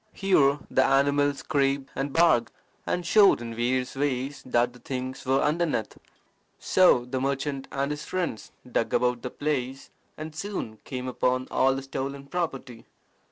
Here the animal scraped and barked, and showed in various ways that the things were underneath. So the merchant and his friends dug about the place, and soon came upon all the stolen property.